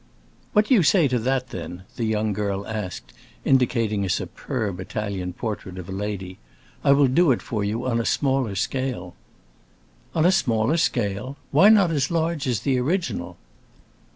"What do you say to that, then?" the young girl asked, indicating a superb Italian portrait of a lady. "I will do it for you on a smaller scale." "On a smaller scale? Why not as large as the original?"